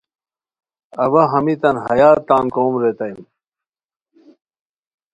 اوا ہمیتان ہیا تان کوم ریتام